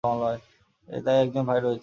তার একজন ভাই রয়েছে।